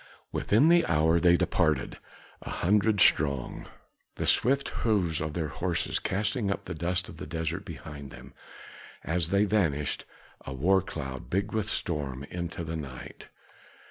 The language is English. Within the hour they departed, a hundred strong, the swift hoofs of their horses casting up the dust of the desert behind them, as they vanished, a war cloud big with storm, into the night.